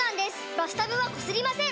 バスタブはこすりません！